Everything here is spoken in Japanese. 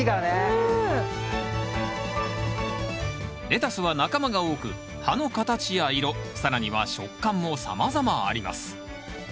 レタスは仲間が多く葉の形や色更には食感もさまざまあります。